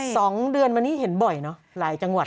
สองเดือนวันนี้เห็นบ่อยเนอะหลายจังหวัด